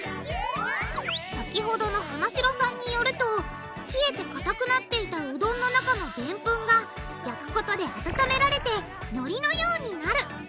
先ほどの花城さんによると冷えてかたくなっていたうどんの中のでんぷんが焼くことで温められてのりのようになる。